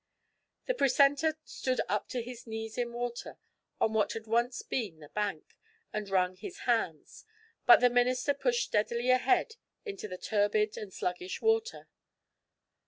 The precentor stood up to his knees in water on what had once been the bank, and wrung his hands. But the minister pushed steadily ahead into the turbid and sluggish water.